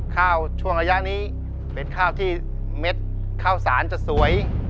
ช่วงระยะนี้เป็นข้าวที่เม็ดข้าวสารจะสวย